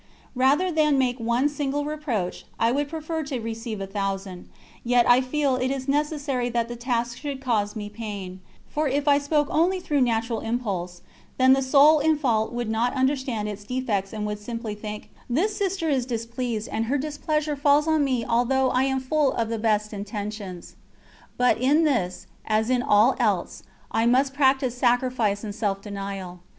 Rather than make one single reproach, I would prefer to receive a thousand, yet I feel it is necessary that the task should cause me pain, for if I spoke only through natural impulse, then the soul in fault would not understand its defects and would simply think: "This Sister is displeased, and her displeasure falls on me although I am full of the best intentions." But in this, as in all else, I must practise sacrifice and self denial.